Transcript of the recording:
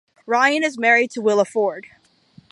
Ryan is married to Willa Ford.